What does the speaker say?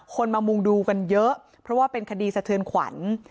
มามุงดูกันเยอะเพราะว่าเป็นคดีสะเทือนขวัญ